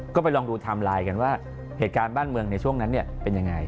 ก็ไปลองดูไทม์ไลน์กันว่าเหตุการณ์บ้านเมืองในช่วงนั้นเป็นยังไง